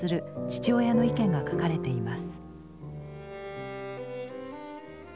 父親の意見が書かれています。